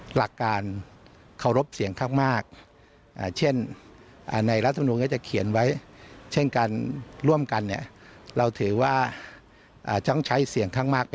หลักการเคารพเสียงข้างมาก